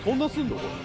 これ。